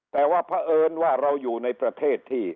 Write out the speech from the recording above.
แต่ว่าเพราะเอิญว่าเราอยู่ในประเทศที่